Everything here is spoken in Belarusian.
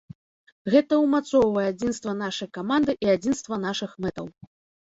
Гэта умацоўвае адзінства нашай каманды і адзінства нашых мэтаў.